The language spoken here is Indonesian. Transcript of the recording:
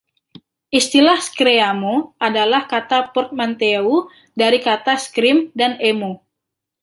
Istilah screamo adalah kata portmanteau dari kata "scream" dan "emo.